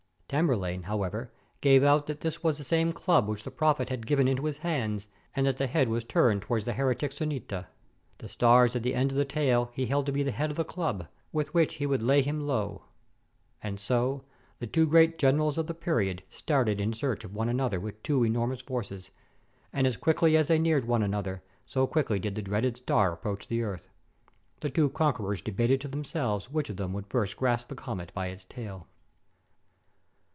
Tamerlane, however, gave out that this was the same club which the Prophet had given into his hands, and that the head was turned towards the heretic Szunnita. The stars at the end of the tail he held to be the head of the club, with which he would lay him low ! And so, the two greatest generals of the period started in search of one another with two enormous forces, and as quickly as they neared one another, so 461 TURKEY quickly did the dreaded star approach the earth! The two conquerors debated to themselves which of them would first grasp the comet by its tail